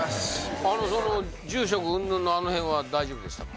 住職うんぬんのあのへんは大丈夫でしたか？